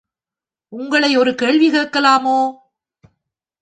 உங்களை ஒரு கேள்வி கேட்கலாமோ?